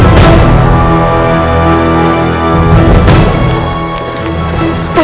hari yang ke enam